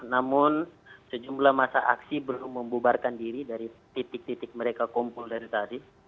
namun sejumlah masa aksi belum membubarkan diri dari titik titik mereka kumpul dari tadi